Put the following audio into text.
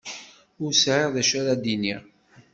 Ur sɛiɣ d acu ara d-iniɣ.